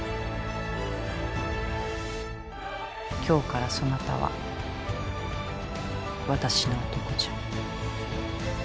今日からそなたは私の男じゃ。